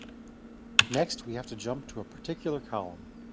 Next, we have to jump to a particular column.